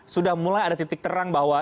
sudah mulai ada titik terang bahwa